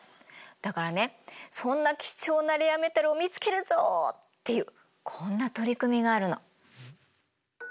だからねそんな貴重なレアメタルを見つけるぞっていうこんな取り組みがあるの。